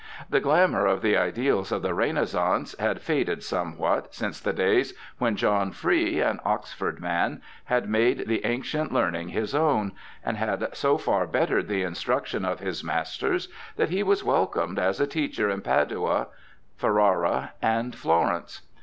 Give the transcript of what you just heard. The glamour of the ideals of the Re naissance had faded somev/hat since the days when John Free, an Oxford man, had made the ancient learn ing his own ; and had so far bettered the instruction of his masters that he was welcomed as a teacher in Padua, Ferrara, and Florence.